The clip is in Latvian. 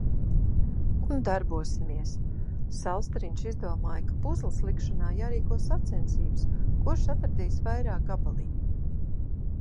Un darbosimies. Saulstariņš izdomāja, ka puzzles likšanā jārīko sacensības, kurš atradīs vairāk gabaliņu.